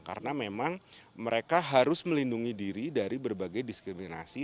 karena memang mereka harus melindungi diri dari berbagai diskriminasi